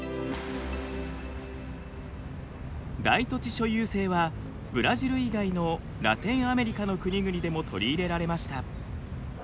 大土地所有制はブラジル以外のラテンアメリカの国々でも取り入れられました。